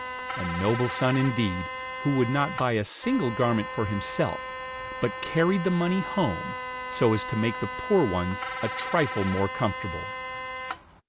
A noble son indeed, who would not buy a single garment for himself, but carried the money home, so as to make the poor ones a trifle more comfortable!